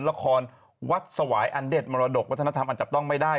ละครวัดสวายอันเด็ดมรดกวัฒนธรรมอันจับต้องไม่ได้